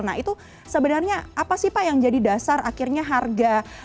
nah itu sebenarnya apa sih pak yang jadi dasar akhirnya harga